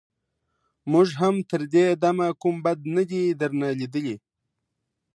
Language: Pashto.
موږ هم تر دې دمه کوم بد نه دي درنه ليدلي.